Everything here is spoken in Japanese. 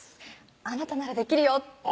「あなたならできるよ」